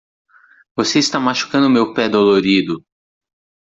Você está machucando meu pé dolorido.